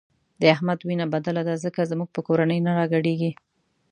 د احمد وینه بدله ده ځکه زموږ په کورنۍ نه راګډېږي.